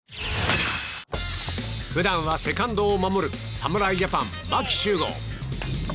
普段はセカンドを守る侍ジャパン、牧秀悟。